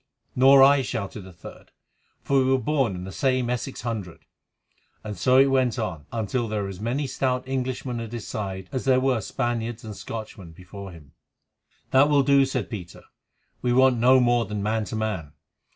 "Nor I," shouted a third, "for we were born in the same Essex hundred." And so it went on, until there were as many stout Englishmen at his side as there were Spaniards and Scotchmen before him. "That will do," said Peter, "we want no more than man to man.